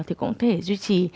thì cũng có thể duy trì